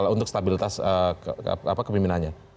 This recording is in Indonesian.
untuk stabilitas kepemimpinannya